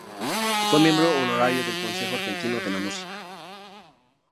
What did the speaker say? Fue Miembro Honorario del Consejo Argentino de la Música.